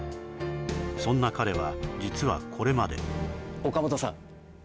そんな彼は実はこれまで岡本さん